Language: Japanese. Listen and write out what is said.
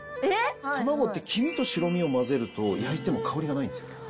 卵って黄身と白身を混ぜると、焼いても香りがないんですよ。